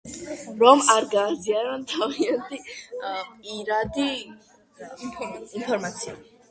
რომ არ გააზიარონ თავიანთი, პირადი ინფორმაცია.